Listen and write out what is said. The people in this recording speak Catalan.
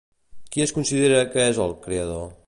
Qui es considera que és el Creador?